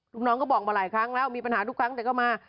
ลูกน้องก็บอกมาหลายครั้งแล้วมีปัญหาทุกครั้งแต่ก็มา